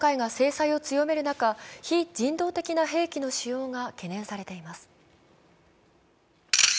国際社会が制裁を強める中、非人道的な兵器の使用が懸念されています。